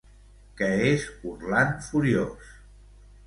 Què és Orland furiós?